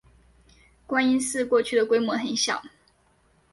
观音寺过去的规模很小。